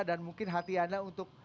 dan mungkin hati anda untuk